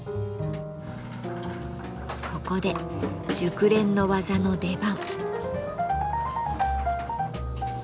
ここで熟練の技の出番。